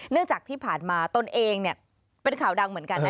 จากที่ผ่านมาตนเองเป็นข่าวดังเหมือนกันนะ